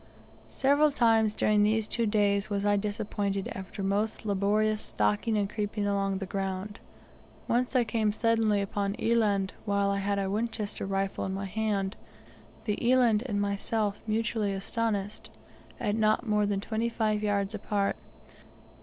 Several times during these two days was I disappointed after most laborious stalking and creeping along the ground. Once I came suddenly upon an eland while I had a Winchester rifle in my hand the eland and myself mutually astonished at not more than twenty five yards apart.